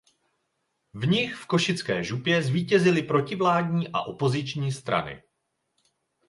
V nich v Košické župě zvítězily protivládní a opoziční strany.